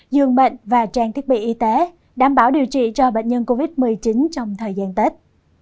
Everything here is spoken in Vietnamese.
dường bệnh và trang thiết bị y tế đảm bảo điều trị cho bệnh nhân covid một mươi chín trong thời gian tết